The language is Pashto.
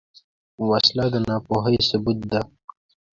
وسله د ناپوهۍ ثبوت ده